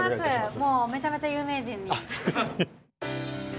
もうめちゃめちゃ有名人。